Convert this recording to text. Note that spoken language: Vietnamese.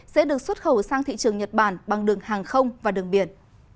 sẽ được xuất khẩu sang thị trường nhật bản bằng đường hàng không và đường biển